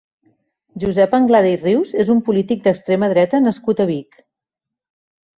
Josep Anglada i Rius és un polític d'extrema dreta nascut a Vic.